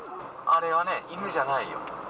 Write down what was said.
あれはね、犬じゃないよ。